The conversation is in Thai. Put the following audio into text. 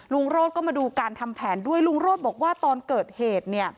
โรธก็มาดูการทำแผนด้วยลุงโรธบอกว่าตอนเกิดเหตุเนี่ย